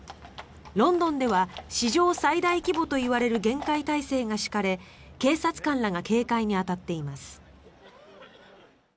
ロンドンでは史上最大規模といわれる厳戒態勢が敷かれ警察官らが警戒に当たっています。